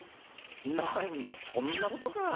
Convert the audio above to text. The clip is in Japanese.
なんだそんなことか。